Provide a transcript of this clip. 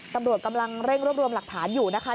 ตำรวจกำลังเร่งรวบรวมหลักฐานอยู่นะคะ